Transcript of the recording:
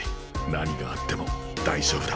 何があっても大丈夫だ。